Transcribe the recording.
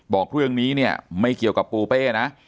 บอกเรื่องนี้เนี่ยไม่เกี่ยวกับปูเป้นะ